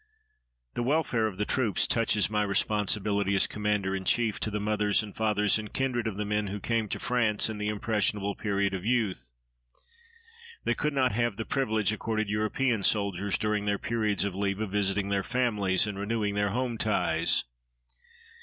The welfare of the troops touches my responsibility as Commander in Chief to the mothers and fathers and kindred of the men who came to France in the impressionable period of youth. They could not have the privilege accorded European soldiers during their periods of leave of visiting their families and renewing their home ties.